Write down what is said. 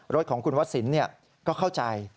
รถของคุณวัดสินก็เข้าใจ